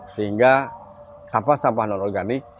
sehingga sampah sampah non organik